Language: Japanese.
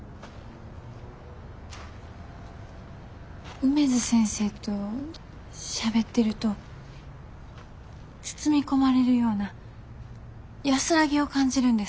梅津先生としゃべってると包み込まれるような安らぎを感じるんです。